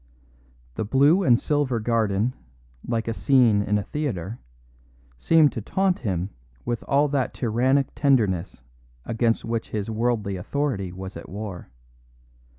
The blue and silver garden, like a scene in a theatre, seemed to taunt him with all that tyrannic tenderness against which his worldly authority was at war.